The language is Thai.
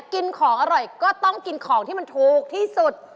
กินของอร่อยก็ต้องกินของที่มันถูกที่สุด